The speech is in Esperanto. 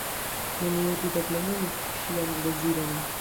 Neniu tute plenumis ŝian deziron.